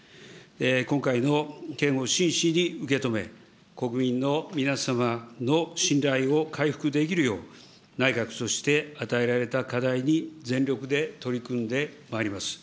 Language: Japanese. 今回の件を真摯に受け止め、国民の皆様の信頼を回復できるよう、内閣として、与えられた課題に全力で取り組んでまいります。